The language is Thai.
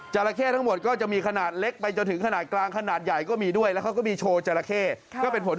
จาระเข้ทั้งหมดก็จะมีขนาดเล็กไปจนถึงขนาดกลาง